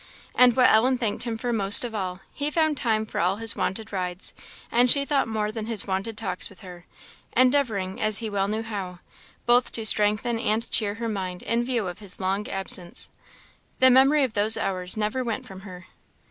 And what Ellen thanked him for most of all, he found time for all his wonted rides, and she thought more than his wonted talks with her; endeavouring, as he well knew how, both to strengthen and cheer her mind in view of his long absence. The memory of those hours never went from her.